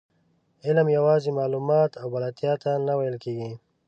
علم یوازې معلوماتو او بلدتیا ته نه ویل کېږي.